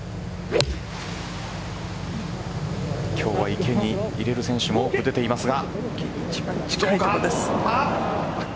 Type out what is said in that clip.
今日は池に入れる選手も出ていますが。